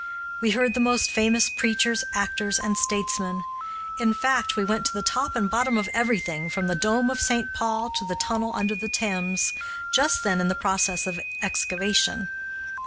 We heard the most famous preachers, actors, and statesmen. In fact, we went to the top and bottom of everything, from the dome of St. Paul to the tunnel under the Thames, just then in the process of excavation.